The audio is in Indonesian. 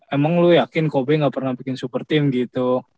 emang lu yakin kobe gak pernah bikin super team gitu